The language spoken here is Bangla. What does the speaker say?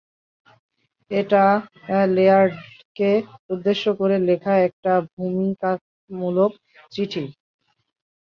এটা লেয়ার্ডকে উদ্দেশ্য করে লেখা একটা ভূমিকামূলক চিঠি।